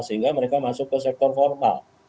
sehingga mereka masuk ke sektor formal